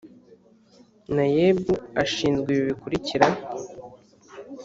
naeb ashinzwe ibi bikurikira